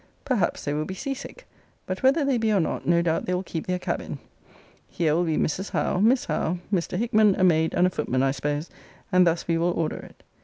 Perhaps they will be sea sick: but whether they be or not, no doubt they will keep their cabin. Here will be Mrs. Howe, Miss Howe, Mr. Hickman, a maid, and a footman, I suppose: and thus we will order it.